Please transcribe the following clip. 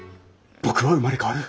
僕は生まれ変わる。